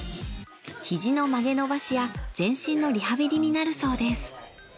肘の曲げ伸ばしや全身のリハビリになるそうです。